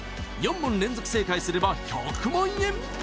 ４問連続正解すれば１００万円！